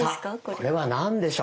さあこれは何でしょう？